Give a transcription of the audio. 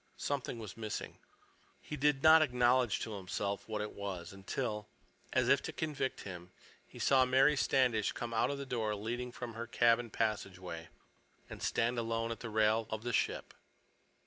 Something was missing. He did not acknowledge to himself what it was until, as if to convict him, he saw Mary Standish come out of the door leading from her cabin passageway, and stand alone at the rail of the ship.